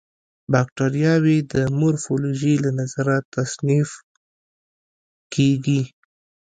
باکټریاوې د مورفولوژي له نظره تصنیف کیږي.